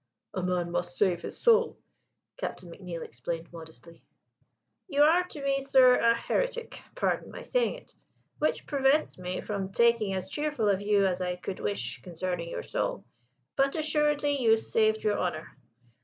"A man must save his soul," Captain McNeill explained modestly. "You are to me, sir, a heretic (pardon my saying it); which prevents me from taking as cheerful a view as I could wish concerning your soul. But assuredly you saved your honour."